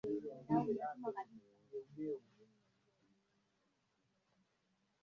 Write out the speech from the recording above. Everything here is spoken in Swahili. ikiwa imeunganishwa Pamba au nyuzi za sufu zinaweza kutumiwa kurefusha nywele Nywele zilizosukwa huweza